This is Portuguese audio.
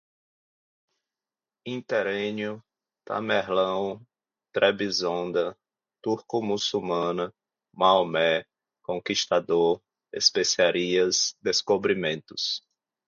interregno, Tamerlão, Trebizonda, turco-muçulmana, Maomé, conquistador, especiarias, descobrimentos